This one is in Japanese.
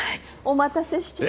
お待たせして。